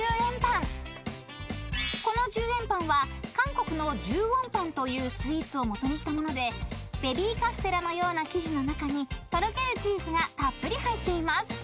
［この１０円パンは韓国の１０ウォンパンというスイーツをもとにしたものでベビーカステラのような生地の中にとろけるチーズがたっぷり入っています］